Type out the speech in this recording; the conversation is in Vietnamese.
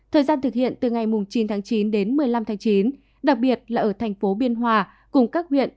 thời gian thực hiện từ ngày chín tháng chín đến một mươi năm tháng chín đặc biệt là ở thành phố biên hòa cùng các huyện